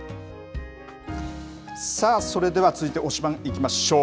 さあ、それでは続いて推しバン！いきましょう。